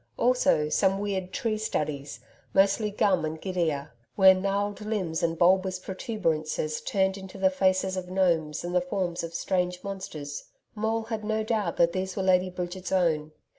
Also some weird tree studies mostly gum and gidia, where gnarled limbs and bulbous protuberances turned into the faces of gnomes and the forms of strange monsters. Maule had no doubt that these were Lady Bridget's own.